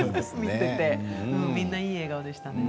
みんないい笑顔でしたね。